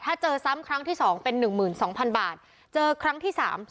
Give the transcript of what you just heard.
ถ้าเจอซ้ำครั้งที่๒เป็น๑๒๐๐๐บาท